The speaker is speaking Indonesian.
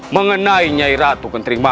mengenai nyai ratu kentrimani